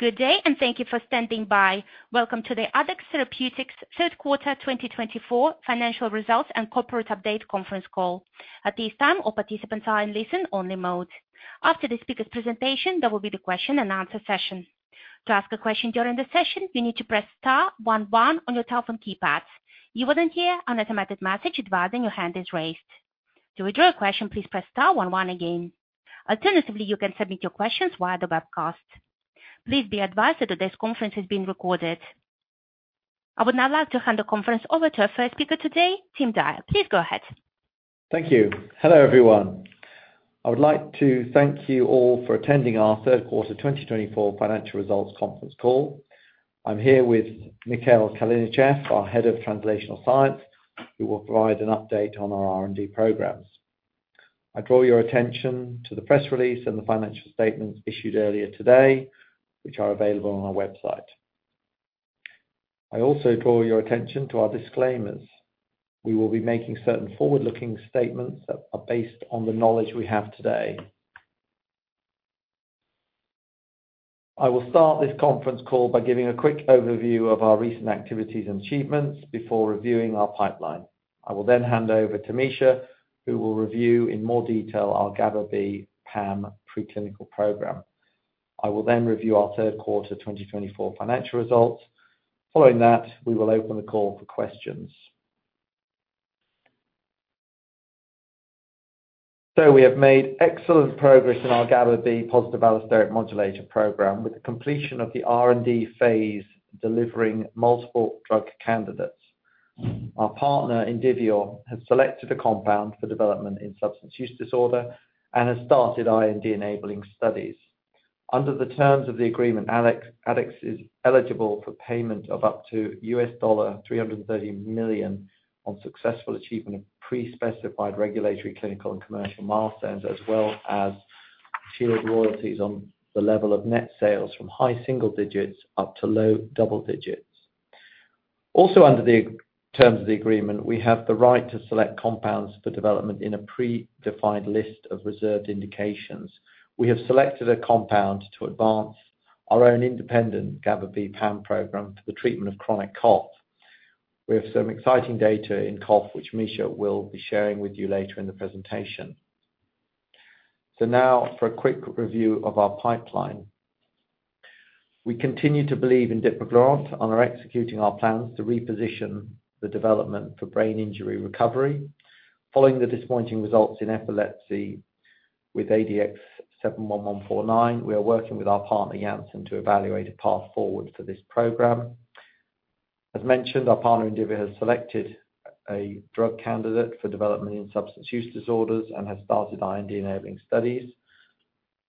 Good day, and thank you for standing by. Welcome to the Addex Therapeutics third quarter 2024 financial results and corporate update conference call. At this time, all participants are in listen-only mode. After the speaker's presentation, there will be the question-and-answer session. To ask a question during the session, you need to press *11 on your telephone keypads. You will then hear an automated message advising your hand is raised. To withdraw a question, please press *11 again. Alternatively, you can submit your questions via the webcast. Please be advised that today's conference is being recorded. I would now like to hand the conference over to our first speaker today, Tim Dyer. Please go ahead. Thank you. Hello, everyone. I would like to thank you all for attending our third quarter 2024 financial results conference call. I'm here with Mikhail Kalinichev, our head of translational science, who will provide an update on our R&D programs. I draw your attention to the press release and the financial statements issued earlier today, which are available on our website. I also draw your attention to our disclaimers. We will be making certain forward-looking statements that are based on the knowledge we have today. I will start this conference call by giving a quick overview of our recent activities and achievements before reviewing our pipeline. I will then hand over to Misha, who will review in more detail our GABA-B PAM preclinical program. I will then review our third quarter 2024 financial results. Following that, we will open the call for questions. So we have made excellent progress in our GABA-B positive allosteric modulator program with the completion of the R&D phase delivering multiple drug candidates. Our partner, Indivior, has selected a compound for development in substance use disorder and has started IND-enabling studies. Under the terms of the agreement, Addex is eligible for payment of up to $330 million on successful achievement of pre-specified regulatory clinical and commercial milestones, as well as shared royalties on the level of net sales from high single digits up to low double digits. Also, under the terms of the agreement, we have the right to select compounds for development in a pre-defined list of reserved indications. We have selected a compound to advance our own independent GABA-B PAM program for the treatment of chronic cough. We have some exciting data in cough, which Misha will be sharing with you later in the presentation. So now, for a quick review of our pipeline. We continue to believe in dipraglurant and are executing our plans to reposition the development for brain injury recovery. Following the disappointing results in epilepsy with ADX71149, we are working with our partner, Janssen, to evaluate a path forward for this program. As mentioned, our partner, Indivior, has selected a drug candidate for development in substance use disorders and has started IND-enabling studies.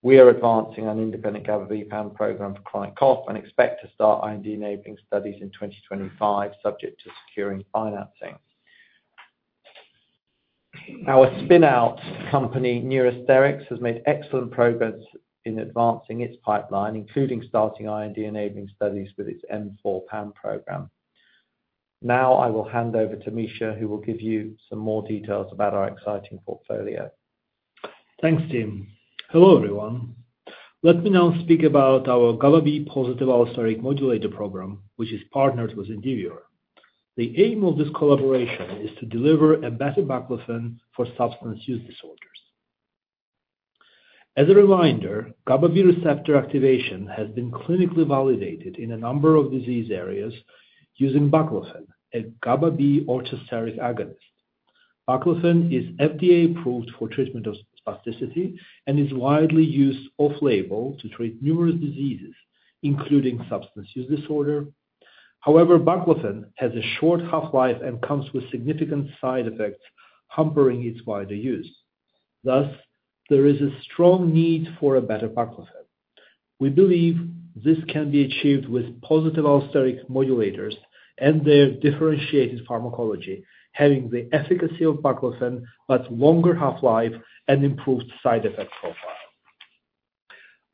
We are advancing an independent GABA-B PAM program for chronic cough and expect to start IND-enabling studies in 2025, subject to securing financing. Our spin-out company, Neurosterix, has made excellent progress in advancing its pipeline, including starting IND-enabling studies with its M4 PAM program. Now I will hand over to Misha, who will give you some more details about our exciting portfolio. Thanks, Tim. Hello, everyone. Let me now speak about our GABA-B positive allosteric modulator program, which is partnered with Indivior. The aim of this collaboration is to deliver a better baclofen for substance use disorders. As a reminder, GABA-B receptor activation has been clinically validated in a number of disease areas using baclofen, a GABA-B orthosteric agonist. Baclofen is FDA-approved for treatment of spasticity and is widely used off-label to treat numerous diseases, including substance use disorder. However, baclofen has a short half-life and comes with significant side effects, hampering its wider use. Thus, there is a strong need for a better baclofen. We believe this can be achieved with positive allosteric modulators and their differentiated pharmacology, having the efficacy of baclofen, but longer half-life and improved side effect profile.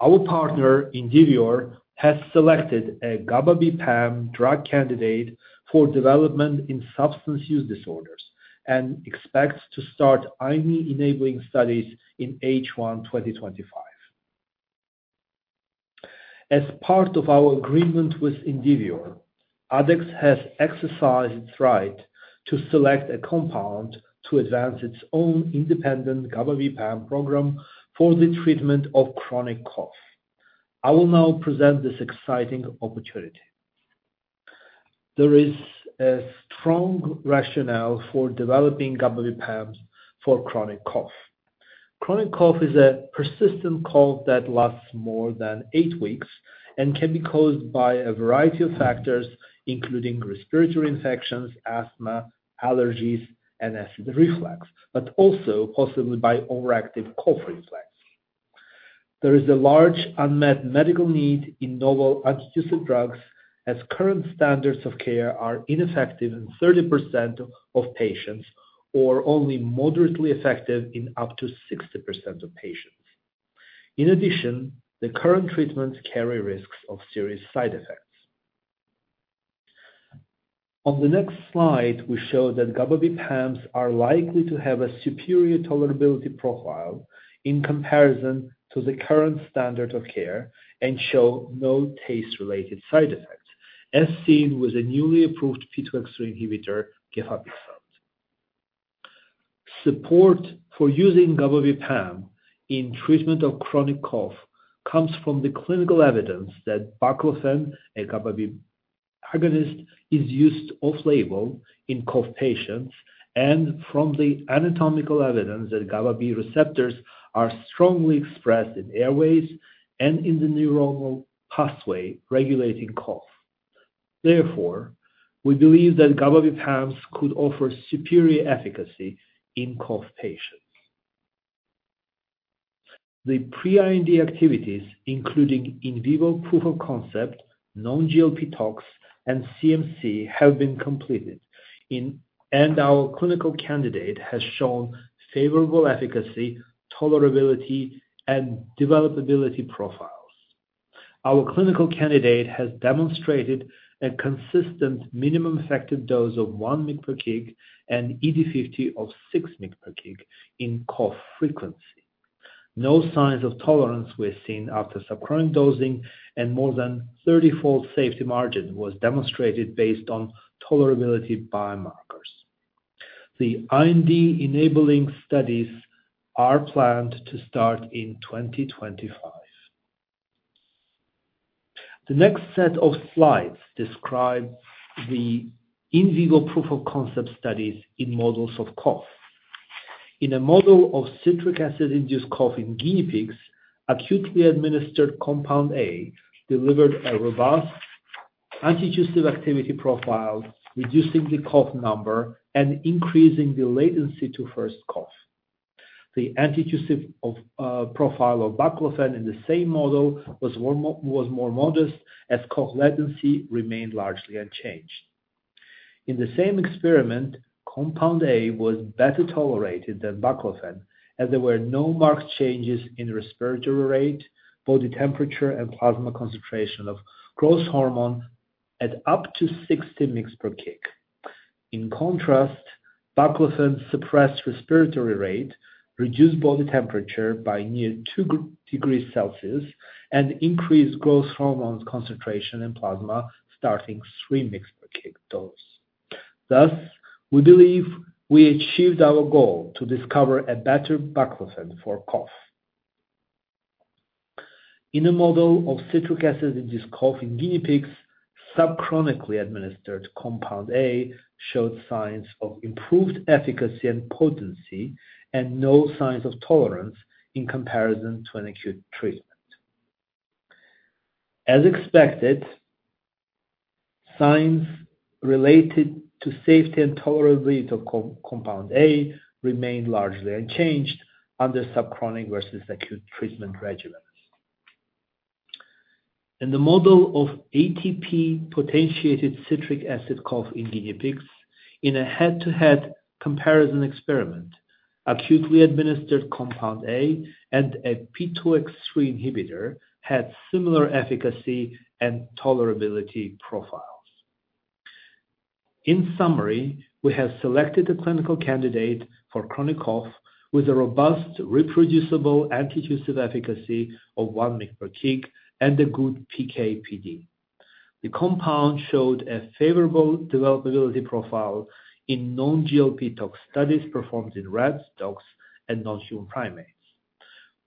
Our partner, Indivior, has selected a GABA-B PAM drug candidate for development in substance use disorders and expects to start IND-enabling studies in H1 2025. As part of our agreement with Indivior, Addex has exercised its right to select a compound to advance its own independent GABA-B PAM program for the treatment of chronic cough. I will now present this exciting opportunity. There is a strong rationale for developing GABA-B PAMs for chronic cough. Chronic cough is a persistent cough that lasts more than eight weeks and can be caused by a variety of factors, including respiratory infections, asthma, allergies, and acid reflux, but also possibly by overactive cough reflex. There is a large unmet medical need in novel antitussive drugs, as current standards of care are ineffective in 30% of patients or only moderately effective in up to 60% of patients. In addition, the current treatments carry risks of serious side effects. On the next slide, we show that GABA-B PAMs are likely to have a superior tolerability profile in comparison to the current standard of care and show no taste-related side effects, as seen with a newly approved P2X3 inhibitor, gefapixant. Support for using GABA-B PAM in treatment of chronic cough comes from the clinical evidence that baclofen, a GABA-B agonist, is used off-label in cough patients and from the anatomical evidence that GABA-B receptors are strongly expressed in airways and in the neuronal pathway regulating cough. Therefore, we believe that GABA-B PAMs could offer superior efficacy in cough patients. The pre-IND activities, including in vivo proof of concept, non-GLP tox, and CMC, have been completed, and our clinical candidate has shown favorable efficacy, tolerability, and developability profiles. Our clinical candidate has demonstrated a consistent minimum effective dose of one mcg per kg and ED50 of six mcg per kg in cough frequency. No signs of tolerance were seen after subchronic dosing, and more than 30-fold safety margin was demonstrated based on tolerability biomarkers. The IND-enabling studies are planned to start in 2025. The next set of slides describes the in vivo proof of concept studies in models of cough. In a model of citric acid-induced cough in guinea pigs, acutely administered Compound A delivered a robust antitussive activity profile, reducing the cough number and increasing the latency to first cough. The antitussive profile of baclofen in the same model was more modest, as cough latency remained largely unchanged. In the same experiment, compound A was better tolerated than baclofen, as there were no marked changes in respiratory rate, body temperature, and plasma concentration of growth hormone at up to 60 mcg per kg. In contrast, baclofen suppressed respiratory rate, reduced body temperature by near two degrees Celsius, and increased growth hormone concentration in plasma starting at three mcg per kg dose. Thus, we believe we achieved our goal to discover a better baclofen for cough. In a model of citric acid-induced cough in guinea pigs, subchronically administered compound A showed signs of improved efficacy and potency and no signs of tolerance in comparison to an acute treatment. As expected, signs related to safety and tolerability of compound A remain largely unchanged under subchronic versus acute treatment regimens. In the model of ATP-potentiated citric acid cough in guinea pigs, in a head-to-head comparison experiment, acutely administered Compound A and a P2X3 inhibitor had similar efficacy and tolerability profiles. In summary, we have selected a clinical candidate for chronic cough with a robust reproducible antitussive efficacy of one mcg per kg and a good PK/PD. The compound showed a favorable developability profile in non-GLP tox studies performed in rats, dogs, and non-human primates.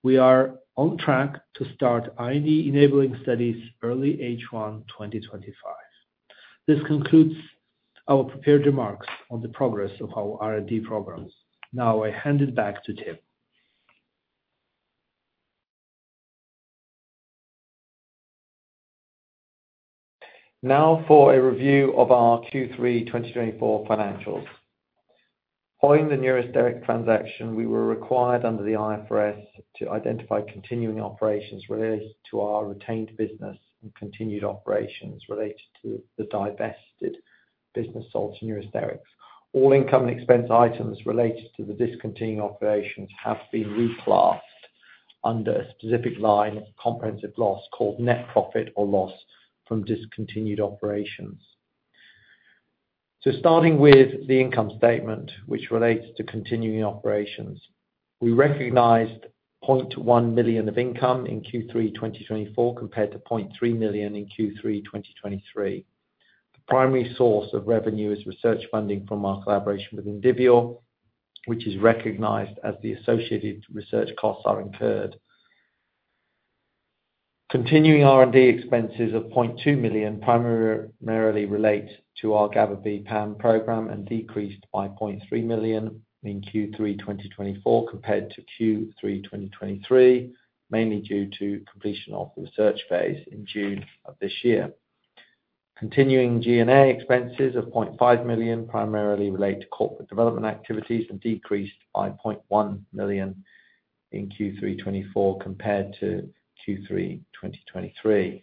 We are on track to start IND-enabling studies early H1 2025. This concludes our prepared remarks on the progress of our R&D programs. Now I hand it back to Tim. Now for a review of our Q3 2024 financials. Following the Neurosterix transaction, we were required under the IFRS to identify continuing operations related to our retained business and continued operations related to the divested business sold to Neurosterix. All income and expense items related to the discontinued operations have been reclassed under a specific line of comprehensive loss called net profit or loss from discontinued operations. So starting with the income statement, which relates to continuing operations, we recognized 0.1 million of income in Q3 2024 compared to 0.3 million in Q3 2023. The primary source of revenue is research funding from our collaboration with Indivior, which is recognized as the associated research costs are incurred. Continuing R&D expenses of 0.2 million primarily relate to our GABA-B PAM program and decreased by 0.3 million in Q3 2024 compared to Q3 2023, mainly due to completion of the research phase in June of this year. Continuing G&A expenses of 0.5 million primarily relate to corporate development activities and decreased by 0.1 million in Q3 2024 compared to Q3 2023. The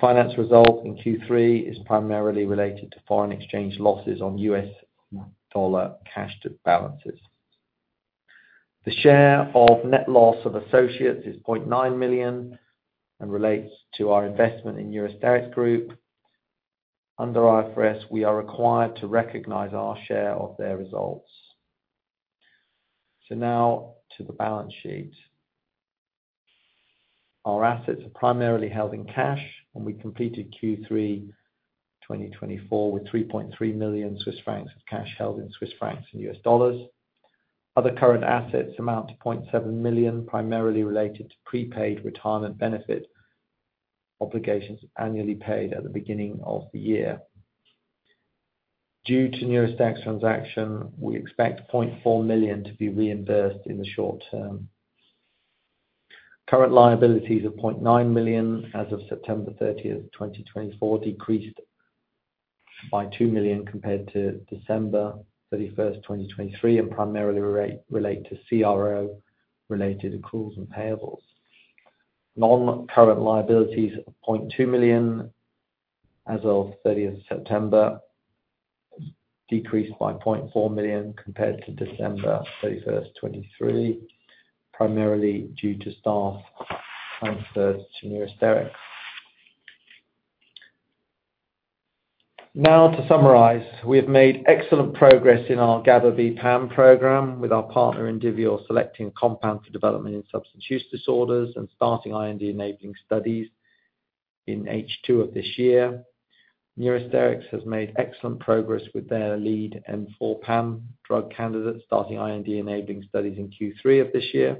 finance result in Q3 is primarily related to foreign exchange losses on U.S. dollar cash balances. The share of net loss of associates is 0.9 million and relates to our investment in Neurosterix. Under IFRS, we are required to recognize our share of their results. So now to the balance sheet. Our assets are primarily held in cash, and we completed Q3 2024 with 3.3 million Swiss francs of cash held in Swiss francs and U.S. dollars. Other current assets amount to 0.7 million, primarily related to prepaid retirement benefit obligations annually paid at the beginning of the year. Due to Neurosterix transaction, we expect 0.4 million to be reimbursed in the short term. Current liabilities of 0.9 million as of September 30, 2024, decreased by 2 million compared to December 31, 2023, and primarily relate to CRO-related accruals and payables. Non-current liabilities of 0.2 million as of 30 September decreased by 0.4 million compared to December 31, 2023, primarily due to staff transferred to Neurosterix. Now to summarize, we have made excellent progress in our GABA-B PAM program with our partner, Indivior, selecting a compound for development in substance use disorders and starting IND-enabling studies in H2 of this year. Neurosterix has made excellent progress with their lead M4 PAM drug candidate, starting IND-enabling studies in Q3 of this year.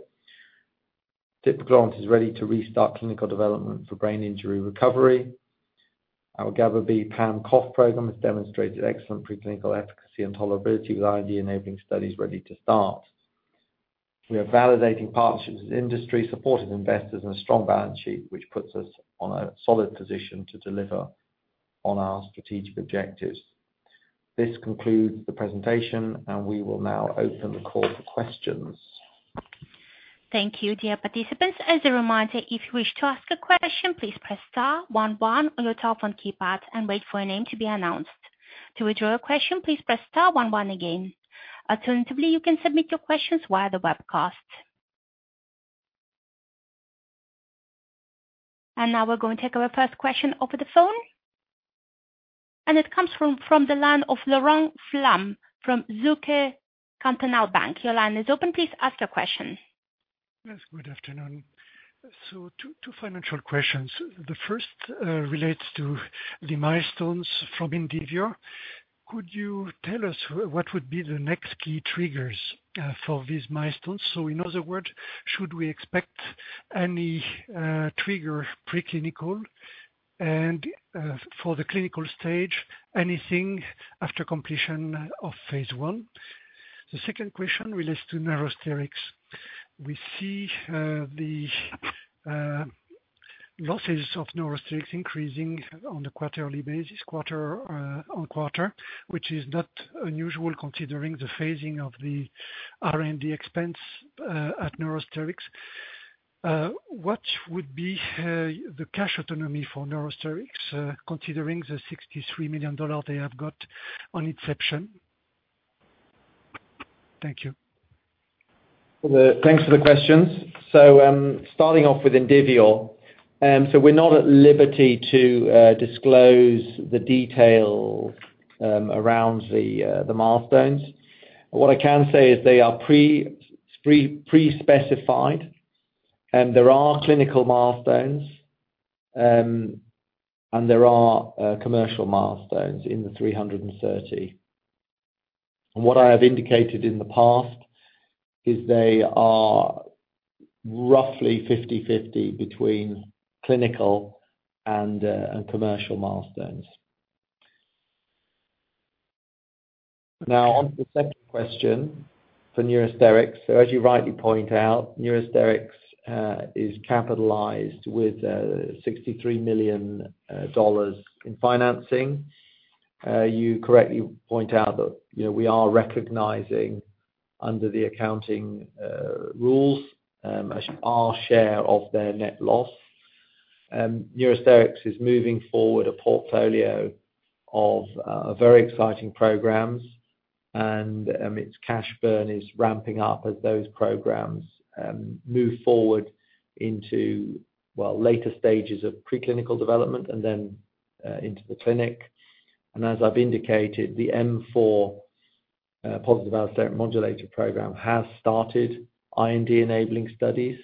Dipraglurant is ready to restart clinical development for brain injury recovery. Our GABA-B PAM cough program has demonstrated excellent preclinical efficacy and tolerability with IND-enabling studies ready to start. We are validating partnerships with industry, supportive investors, and a strong balance sheet, which puts us in a solid position to deliver on our strategic objectives. This concludes the presentation, and we will now open the call for questions. Thank you, dear participants. As a reminder, if you wish to ask a question, please press star 11 on your telephone keypad and wait for your name to be announced. To withdraw a question, please press star 11 again. Alternatively, you can submit your questions via the webcast. And now we're going to take our first question over the phone. And it comes from the line of Laurent Flamme from Zürcher Kantonalbank. Your line is open. Please ask your question. Yes, good afternoon. So two financial questions. The first relates to the milestones from Indivior. Could you tell us what would be the next key triggers for these milestones? So in other words, should we expect any trigger preclinical and for the clinical stage, anything after completion of phase one? The second question relates to Neurosterix. We see the losses of Neurosterix increasing on a quarterly basis, quarter on quarter, which is not unusual considering the phasing of the R&D expense at Neurosterix. What would be the cash autonomy for Neurosterix considering the $63 million they have got on inception? Thank you. Thanks for the questions. So starting off with Indivior, so we're not at liberty to disclose the details around the milestones. What I can say is they are pre-specified. There are clinical milestones, and there are commercial milestones in the 330. What I have indicated in the past is they are roughly 50/50 between clinical and commercial milestones. Now, on to the second question for Neurosterix. So as you rightly point out, Neurosterix is capitalized with $63 million in financing. You correctly point out that we are recognizing under the accounting rules our share of their net loss. Neurosterix is moving forward a portfolio of very exciting programs, and its cash burn is ramping up as those programs move forward into, well, later stages of preclinical development and then into the clinic. And as I've indicated, the M4 positive allosteric modulator program has started IND-enabling studies.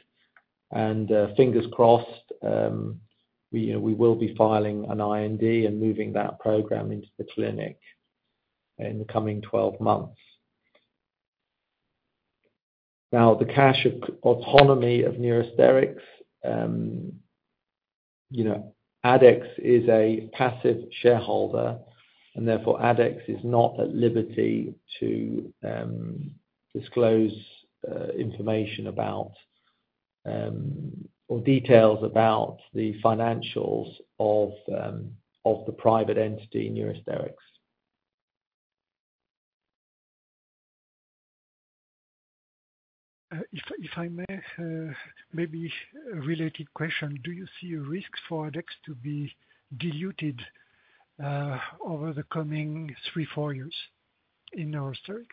Fingers crossed, we will be filing an IND and moving that program into the clinic in the coming 12 months. Now, the cash autonomy of Neurosterix, Addex is a passive shareholder, and therefore Addex is not at liberty to disclose information about or details about the financials of the private entity Neurosterix. If I may, maybe a related question. Do you see a risk for Addex to be diluted over the coming three, four years in Neurosterix?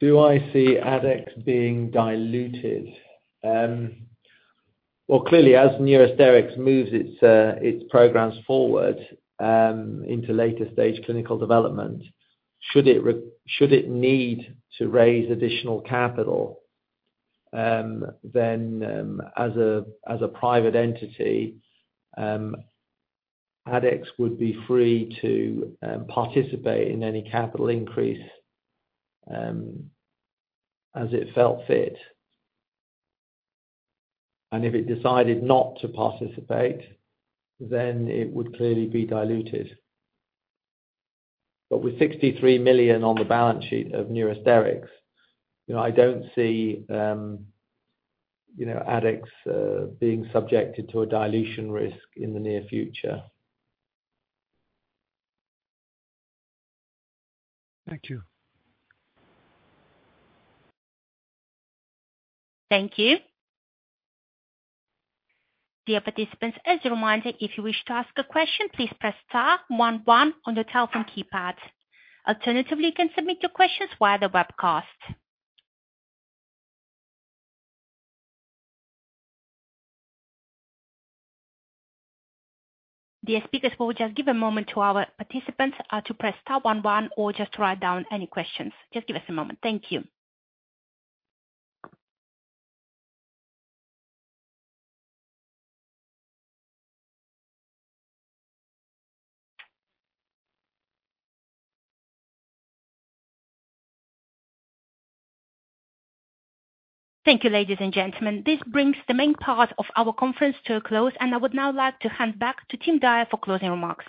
Do I see Addex being diluted? Well, clearly, as Neurosterix moves its programs forward into later stage clinical development, should it need to raise additional capital, then as a private entity, Addex would be free to participate in any capital increase as it felt fit, and if it decided not to participate, then it would clearly be diluted, but with 63 million on the balance sheet of Neurosterix, I don't see Addex being subjected to a dilution risk in the near future. Thank you. Thank you. Dear participants, as a reminder, if you wish to ask a question, please press star 11 on your telephone keypad. Alternatively, you can submit your questions via the webcast. Dear speakers, we will just give a moment to our participants to press star 11 or just write down any questions. Just give us a moment. Thank you. Thank you, ladies and gentlemen. This brings the main part of our conference to a close, and I would now like to hand back to Tim Dyer for closing remarks.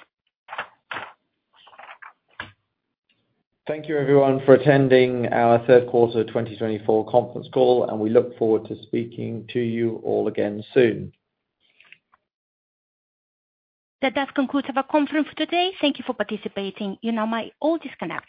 Thank you, everyone, for attending our third quarter 2024 conference call, and we look forward to speaking to you all again soon. That does conclude our conference for today. Thank you for participating. You are now all disconnected.